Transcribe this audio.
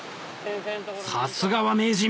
さすがは名人！